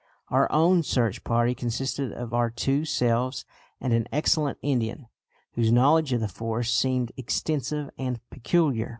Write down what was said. Our own search party consisted of our two selves and an excellent Indian, whose knowledge of the forest seemed "extensive and peculiar."